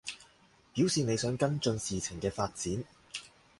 表示你想跟進事情嘅發展